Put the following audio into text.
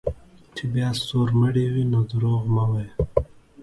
چې بیا ستورمړے وې نو دروغ مه وایه